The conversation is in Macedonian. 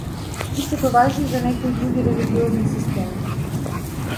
Истото важи и за некои други религиозни системи.